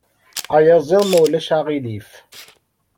Ayaziḍ, ma ulac aɣilif.